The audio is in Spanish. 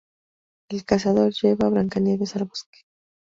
El Cazador lleva a Blancanieves al bosque.